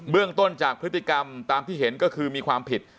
เรื่องต้นจากพฤติกรรมตามที่เห็นก็คือมีความผิด